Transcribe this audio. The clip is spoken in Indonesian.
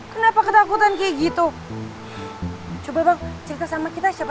hmm bukan dia kerjain sendiri aja